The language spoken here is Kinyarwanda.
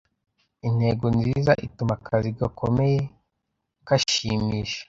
Intego nziza ituma akazi gakomeye kashimisha.